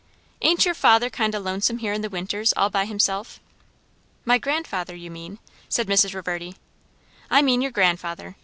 "Ain't your father kind o' lonesome here in the winters, all by himself?" "My grandfather, you mean?" said Mrs. Reverdy, "I mean your grandfather.